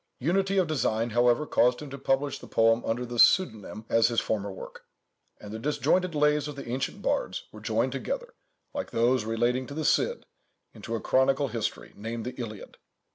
Unity of design, however, caused him to publish the poem under the same pseudonyme as his former work: and the disjointed lays of the ancient bards were joined together, like those relating to the Cid, into a chronicle history, named the Iliad.